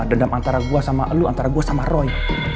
dendam antara gua sama lu antara gua sama roy